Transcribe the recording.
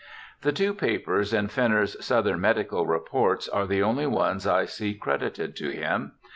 The two papers in Fenner's Southern Medical Reports are the only ones I see credited to him.